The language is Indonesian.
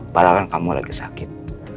padahal kan kamu lagi sakit